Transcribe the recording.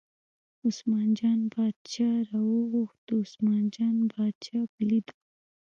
عثمان جان باچا راواوښت، د عثمان جان باچا په لیدو.